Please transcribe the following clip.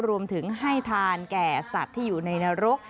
รวมถึงให้ทานแก่สัตว์ที่อยู่ในนรก